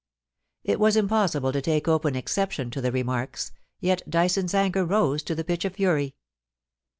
It was im possible to take open exception to the remarks, yet Dyson's anger rose to the pitch of fury.